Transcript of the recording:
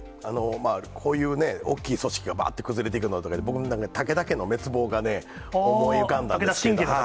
こういうね、大きい組織がばって崩れていくのって、僕の中で武田家の滅亡がね、思い浮かんだんです。